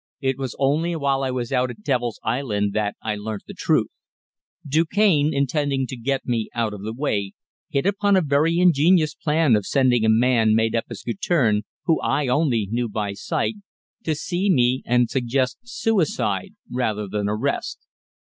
"It was only while I was out at Devil's Island that I learnt the truth. Du Cane, intending to get me out of the way, hit upon a very ingenious plan of sending a man made up as Guertin whom I only knew by sight to see me and suggest suicide rather than arrest.